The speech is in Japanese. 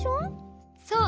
そう！